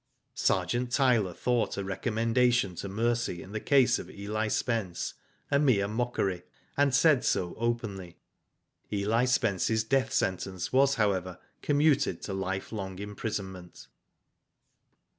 Sergeant Tyler thought a recommendation to mercy in the case of Eli Spence a mere mockery, and said so openly. Eli Spence's death sentence was, however, commuted to life long imprisonment.